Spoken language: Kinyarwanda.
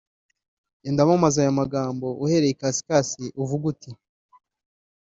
“Genda wamamaze aya magambo uhereye ikasikazi uvuge uti